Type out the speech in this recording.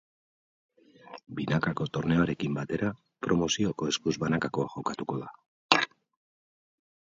Binakako torneoarekin batera, promozioko eskuz banakakoa jokatuko da.